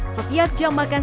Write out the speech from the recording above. setiap jam makan